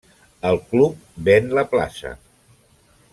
El Club ven la plaça.